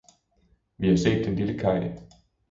vi har set den lille Kay.